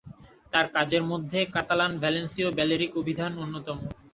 তার কাজের মধ্যে কাতালান-ভ্যালেন্সীয়-ব্যালেরিক অভিধান অন্যতম।